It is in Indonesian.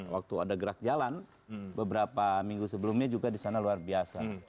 waktu ada gerak jalan beberapa minggu sebelumnya juga di sana luar biasa